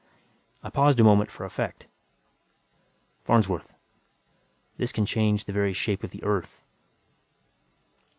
I paused a moment for effect. "Farnsworth, this can change the very shape of the Earth!"